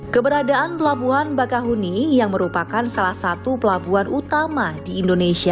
keberadaan pelabuhan bakahuni yang merupakan salah satu pelabuhan utama di indonesia